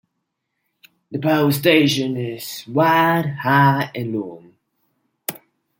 The power station is wide, high and long.